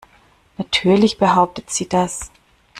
Natürlich behauptet sie das.